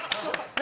何？